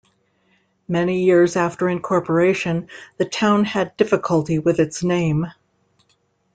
Many years after incorporation, the town had difficulty with its name.